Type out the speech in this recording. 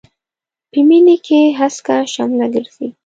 په مينې کې هسکه شمله ګرځي.